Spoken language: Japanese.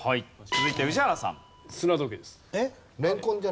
続いて宇治原さん。